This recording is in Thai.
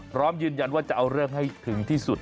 พร้อมยืนยันว่าจะเอาเรื่องให้ถึงที่สุด